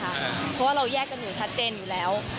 เพราะว่าเราแยกกันอยู่ชัดเจนอยู่แล้ว